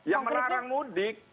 ya melarang mudik